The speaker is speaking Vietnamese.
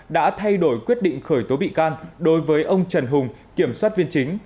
đã thay đổi quyết định khởi tố bị can đối với ông trần hùng kiểm soát viên chính